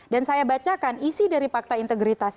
dan saya bacakan isi dari pakta integritas